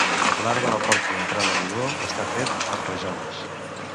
L'arc de la porta d'entrada, rodó, està fet amb rajoles.